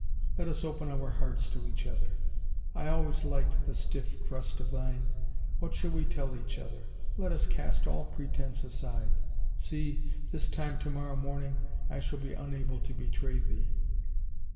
Let us open our hearts to each other. I always liked the stiff crust of thine. What shall we tell each other? Let us cast all pretense aside. See, this time to morrow morn ing I shall be unable to betray thee."